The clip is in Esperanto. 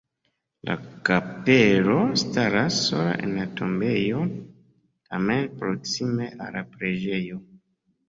La kapelo staras sola en la tombejo, tamen proksime al la preĝejo.